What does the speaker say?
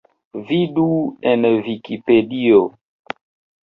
Vidu en Vikipedio.